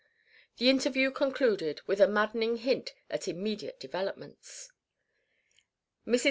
The interview concluded with a maddening hint at immediate developments. Mrs.